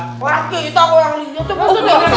wah itu aku yang lihat itu ustadz ya